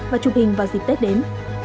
và chụp hình vào dịp tết đến